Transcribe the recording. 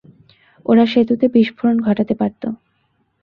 ওরা সেতুতে বিস্ফোরণ ঘটাতে পারতো।